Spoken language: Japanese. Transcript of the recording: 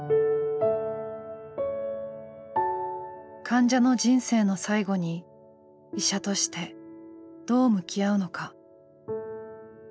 患者の人生の最期に医者としてどう向き合うのか。